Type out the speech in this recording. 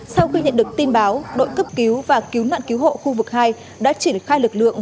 sau khi nhận được tin báo đội cấp cứu và cứu nạn cứu hộ khu vực hai đã triển khai lực lượng